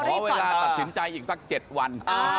เพราะว่าเวลาตัดสินใจอีกสัก๗วัน